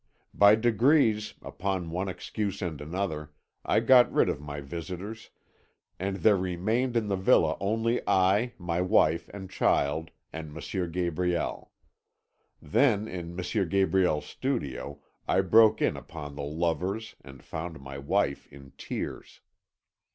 "By degrees, upon one excuse and another, I got rid of my visitors, and there remained in the villa only I, my wife and child, and M. Gabriel. Then, in M. Gabriel's studio, I broke in upon the lovers, and found my wife in tears.